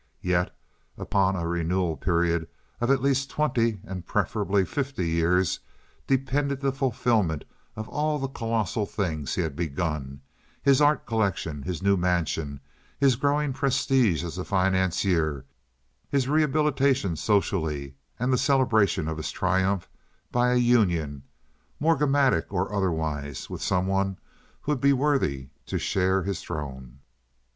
Yet upon a renewal period of at least twenty and preferably fifty years depended the fulfilment of all the colossal things he had begun—his art collection, his new mansion, his growing prestige as a financier, his rehabilitation socially, and the celebration of his triumph by a union, morganatic or otherwise, with some one who would be worthy to share his throne.